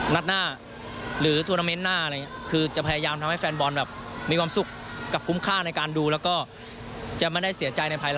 นัดหน้าหรือทุนาเมนต์หน้าอะไรอย่างนี้